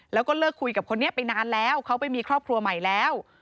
แล้วก็เลิกคุยกับคนนี้ไปนานแล้วเขาไปมีครอบครัวใหม่แล้ว